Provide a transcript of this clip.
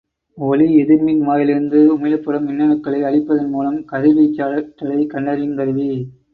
ஒளி எதிர்மின் வாயிலிருந்து உமிழப்படும் மின்னணுக்களை அளிப்பதன் மூலம், கதிர்வீச்சாற்றலைக் கண்டறியுங் கருவி.